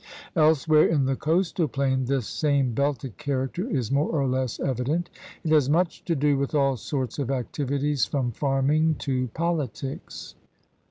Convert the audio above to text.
Everywhere in the coastal plain this same belted character is more or less evident. It has much to do with all sorts of activities from farming to poli tics.